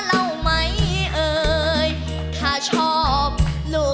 ซื้อเนื้อซื้อหมู